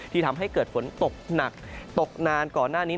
ทำให้เกิดฝนตกหนักตกนานก่อนหน้านี้